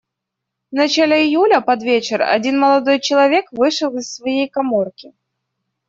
В начале июля, под вечер, один молодой человек вышел из своей каморки.